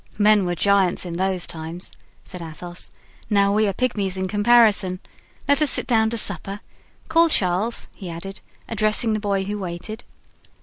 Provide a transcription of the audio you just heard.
Men were giants in those times," said Athos; "now we are pigmies in comparison. Let us sit down to supper. Call Charles," he added, addressing the boy who waited.